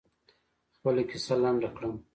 خپله کیسه لنډه کړم.